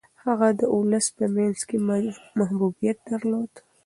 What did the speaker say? هغه د ولس په منځ کي محبوبیت درلود.